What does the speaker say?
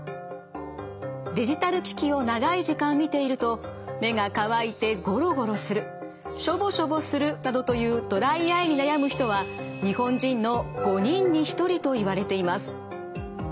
デジタル機器を長い時間見ていると目が乾いてゴロゴロするしょぼしょぼするなどというドライアイに悩む人は日本人の５人に１人といわれています。